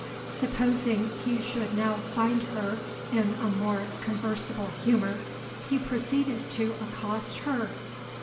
Supposing he should now find her in a more conversible humour, he proceeded to accost her.